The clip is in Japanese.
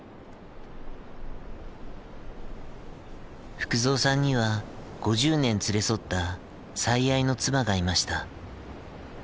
福蔵さんには５０年連れ添った最愛の妻がいました。